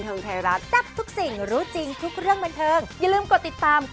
น้องก็มันจะมีงบบางปลายอยู่นะ